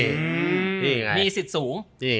มีสิทธิ์สูง